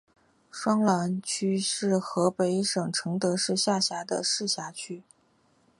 双滦区是河北省承德市下辖的一个市辖区。